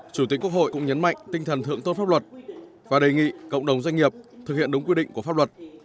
chủ tịch quốc hội cũng nhấn mạnh tinh thần thượng tôn pháp luật và đề nghị cộng đồng doanh nghiệp thực hiện đúng quy định của pháp luật